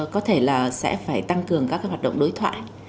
có thể là sẽ phải tăng cường các cái hoạt động đối thoại